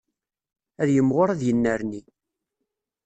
Ad yimɣur ad yennerni.